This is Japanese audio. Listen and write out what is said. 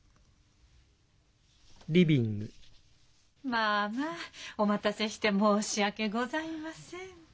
・まあまあお待たせして申し訳ございません。